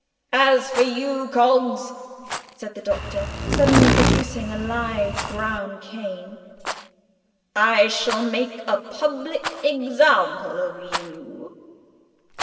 "As for you, Coggs," said the Doctor, suddenly producing a lithe brown cane, "I shall make a public example of you."